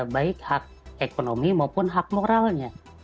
baik hak ekonomi maupun hak moralnya